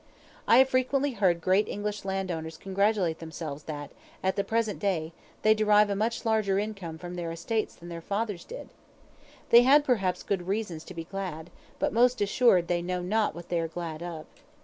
I have frequently heard great English landowners congratulate themselves that, at the present day, they derive a much larger income from their estates than their fathers did. They have perhaps good reasons to be glad; but most assuredly they know not what they are glad of.